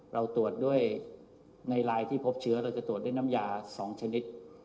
เราตรวจด้วยในลายที่พบเชื้อเราจะตรวจด้วยน้ำยา๒ชนิด